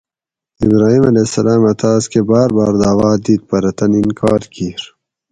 ابراھیم (ع) اۤ تاس کہ بار بار دعوِت دِت پرہ تن انکار کیر